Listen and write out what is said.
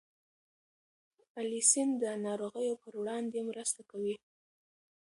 الیسین د ناروغیو پر وړاندې مرسته کوي.